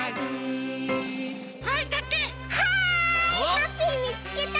ハッピーみつけた！